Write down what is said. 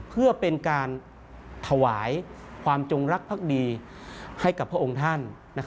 เพื่อเป็นการถวายความจงรักภักดีให้กับพระองค์ท่าน